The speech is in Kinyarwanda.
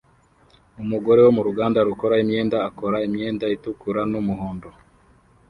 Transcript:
Umugore wo mu ruganda rukora imyenda akora imyenda itukura n'umuhondo